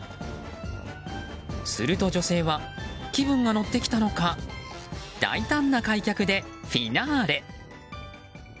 すると女性は気分が乗ってきたのか大胆な開脚でフィナーレ。